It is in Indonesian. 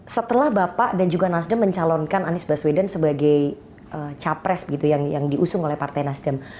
setelah bapak dan juga nasdem mencalonkan anies baswedan sebagai capres yang diusung oleh partai nasdem